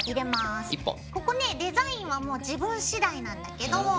ここねデザインはもう自分次第なんだけど。